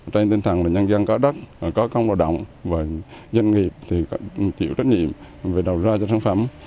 trên tên thẳng là nhân dân có đất có công đạo động và doanh nghiệp thì chịu trách nhiệm